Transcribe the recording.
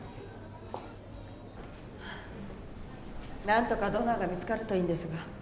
なんとかドナーが見つかるといいんですが。